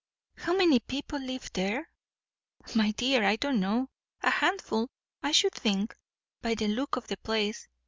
"How many people live there?" "My dear, I don't know. A handful, I should think, by the look of the place.